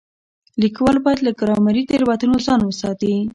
ليکوال بايد له ګرامري تېروتنو ځان وساتي.